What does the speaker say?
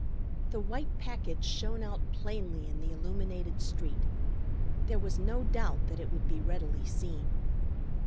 The white package shone out plainly in the illuminated street. There was no doubt that it would be readily seen.